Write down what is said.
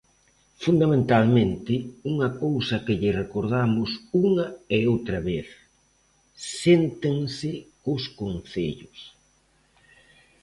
Fundamentalmente, unha cousa que lle recordamos unha e outra vez: séntense cos concellos.